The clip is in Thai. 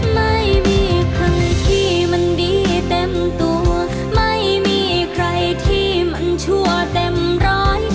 ไม่มีใครที่มันดีเต็มตัวไม่มีใครที่มันชั่วเต็มร้อย